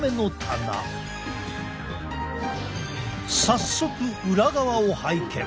早速裏側を拝見。